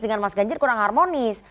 dengan mas ganjar kurang harmonis